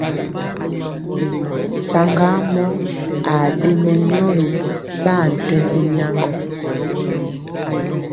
Saŋgamɔ aa ɗe mɛnyɔgi saa tembi nyagŋgɔ.